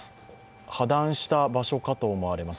破断した場所かと思われます。